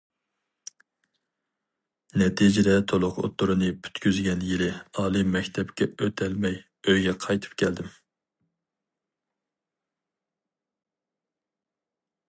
نەتىجىدە تولۇق ئوتتۇرىنى پۈتكۈزگەن يىلى ئالىي مەكتەپكە ئۆتەلمەي، ئۆيگە قايتىپ كەلدىم.